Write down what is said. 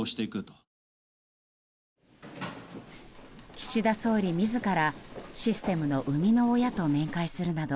岸田総理自らシステムの生みの親と面会するなど